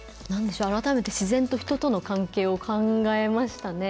改めて自然と人との関係を考えましたね。